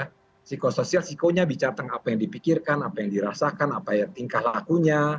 psikosoial psikonya bicara tentang apa yang dipikirkan apa yang dirasakan apa ya tingkah lakunya